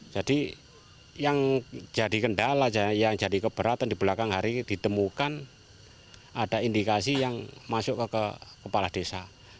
jadi yang jadi kendala yang jadi keberatan di belakang hari ditemukan ada indikasi yang masuk ke kepala desa